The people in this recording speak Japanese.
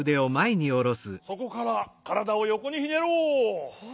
そこからからだをよこにひねろう。